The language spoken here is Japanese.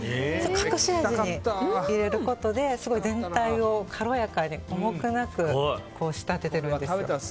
隠し味に入れることで全体を軽やかに重くなく仕立てているんです。